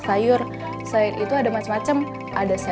siar kepada muslim pondok